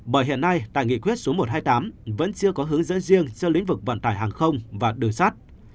bởi hiện nay tại nghị quyết số một trăm hai mươi tám vẫn chưa có hướng dẫn riêng cho lĩnh vực vận tải hàng không và đường sắt